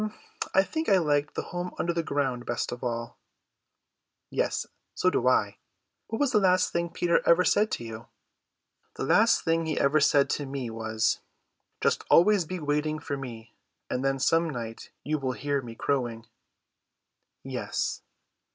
"I think I liked the home under the ground best of all." "Yes, so do I. What was the last thing Peter ever said to you?" "The last thing he ever said to me was, 'Just always be waiting for me, and then some night you will hear me crowing.'" "Yes."